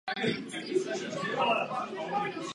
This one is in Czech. Otec není zřejmě zcela jistý.